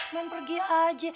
men pergi aja